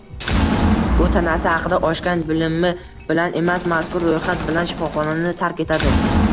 U tanasi haqida oshgan bilimi bilan emas, mazkur ro‘yxat bilan shifoxonani tark etadi